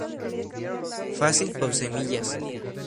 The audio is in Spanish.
Fácil por semillas.